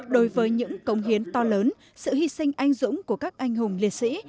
đối với những công hiến to lớn sự hy sinh anh dũng của các anh hùng liệt sĩ